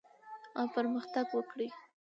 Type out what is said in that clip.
او پرمختګ وکړي